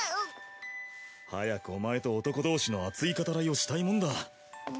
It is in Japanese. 早くお前と男同士の熱い語らいをしたいもんだ！